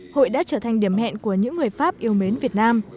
hội đã trở thành điểm hẹn của những người pháp yêu mến việt nam